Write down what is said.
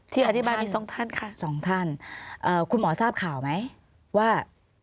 อธิบายอีกสองท่านค่ะสองท่านคุณหมอทราบข่าวไหมว่า